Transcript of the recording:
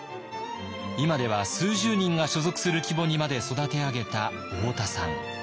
今では数十人が所属する規模にまで育て上げた太田さん。